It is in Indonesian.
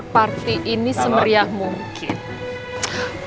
parti ini semeriah mungkin